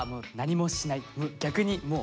逆にもう。